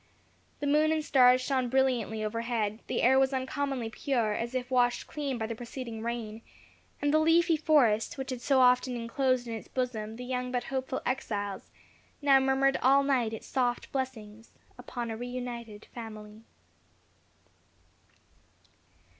The moon and stars shone brilliantly overhead, the air was uncommonly pure, as if washed clean by the preceding rain, and the leafy forest, which had so often enclosed in its bosom the young but hopeful exiles, now murmured all night its soft blessings upon a reunited family.